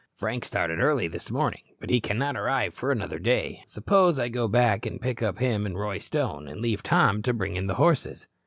Frank started early this morning, but he cannot arrive for another day. Suppose I go back and pick up him and Roy Stone, and leave Tom to bring in the horses?"